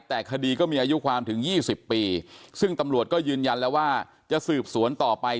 แต่คดีก็มีอายุความถึง๒๐ปีซึ่งตำรวจก็ยืนยันแล้วว่าจะสืบสวนต่อไป